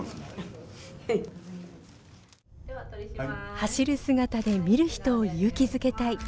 走る姿で見る人を勇気づけたい。